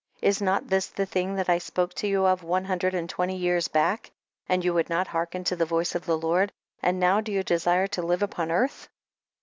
20. Is not this the thing that I spoke to you of one hundred and twenty years back, and you would not hearken to the voice of the Lord, and now do you desire to live upon earth